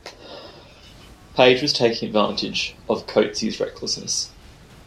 Page was taking advantage of Coetzee's recklessness.